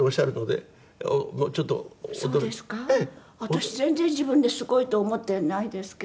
私全然自分ですごいと思ってないですけど。